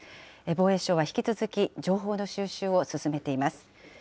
防衛省は引き続き、情報の収集を進めています。